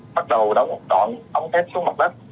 bắt đầu đóng đoạn ống thép xuống mặt đất